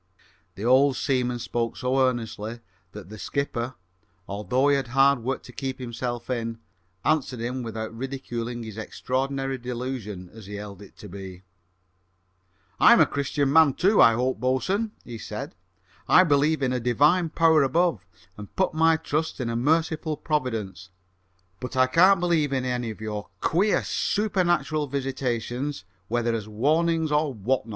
The old seaman spoke so earnestly that the skipper, although he had hard work to keep himself in, answered him without ridiculing his extraordinary delusion, as he held it to be. "I am a Christian man, too, I hope, bo'sun," he said. "I believe in a divine power above, and put my trust in a merciful providence; but I can't believe in any of your queer supernatural visitations, whether as warnings or what not!"